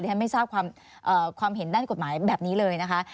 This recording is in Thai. ฉันไม่ทราบความเห็นด้านกฎหมายแบบนี้เลยนะคะ